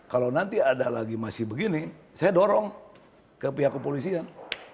kalau nanti ada lagi masih begini saya dorong ke pihak kepolisian